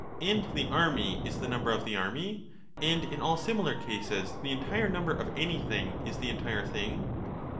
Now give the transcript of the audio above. And the army is the number of the army ; and in all similar cases, the entire number of anything is the entire thing?